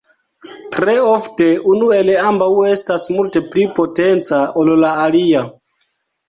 Tre ofte unu el ambaŭ estas multe pli potenca, ol la alia.